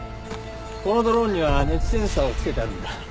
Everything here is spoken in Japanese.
このドローンには熱センサーをつけてあるんだ。